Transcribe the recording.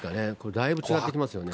だいぶ違ってきますよね。